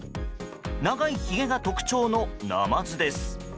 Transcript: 長いひげが特徴のナマズです。